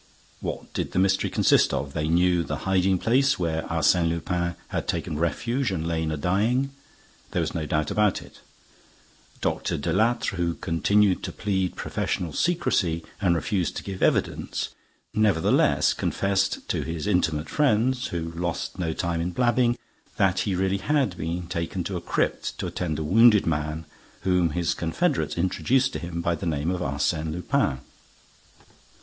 What did the mystery consist of? They knew the hiding place where Arsène Lupin had taken refuge and lain a dying; there was no doubt about it: Dr. Delattre, who continued to plead professional secrecy and refused to give evidence, nevertheless confessed to his intimate friends—who lost no time in blabbing—that he really had been taken to a crypt to attend a wounded man whom his confederates introduced to him by the name of Arsène Lupin.